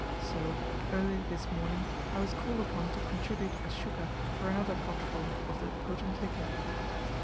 So, early this morning, I was called upon to contribute a shukka for another potful of the potent liquor.